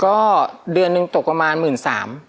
ก็เดือนนึงตกประมาณ๑๓๙๐๐บาท